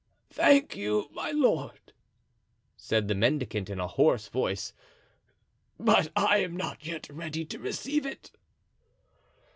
"Thank you, my lord," said the mendicant in a hoarse voice. "But I am not yet ready to receive it."